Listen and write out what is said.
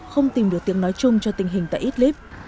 không tìm được tiếng nói chung cho tình hình tại idlib